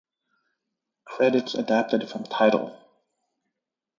Credits adapted from Tidal